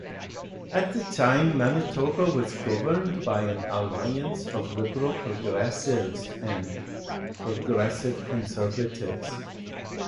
At the time, Manitoba was governed by an alliance of Liberal-Progressives and Progressive Conservatives.